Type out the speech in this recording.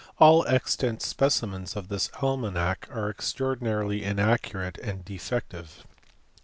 All extant specimens of this almanadk are extraordinarily inaccurate arid defective.